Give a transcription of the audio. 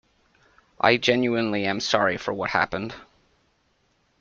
I genuinely am sorry for what happened.